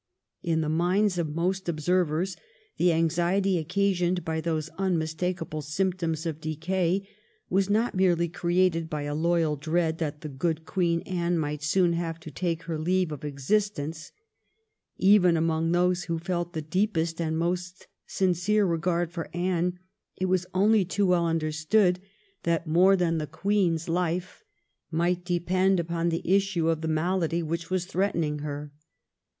In the minds of most observers the anxiety occasioned by those unmistakable symptoms of decay was not merely created by a loyal dread that the good Queen Anne might soon have to take her leave of existence. Even among those who felt the deepest and most sincere regard for Anne it was only too well understood that more than the Queen's 256 THE REIGN OF QUEEN ANNE. ch. xxxiii. life might depend upon the issue of the malady which was threatening her.